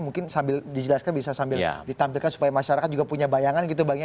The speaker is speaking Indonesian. mungkin sambil dijelaskan bisa sambil ditampilkan supaya masyarakat juga punya bayangan gitu bang ya